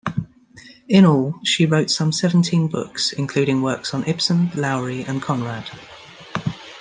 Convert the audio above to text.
In all, she wrote some seventeen books, including works on Ibsen, Lowry and Conrad.